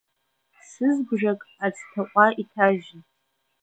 Сызбжак аӡҭаҟәа иҭажьын.